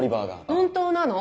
本当なの？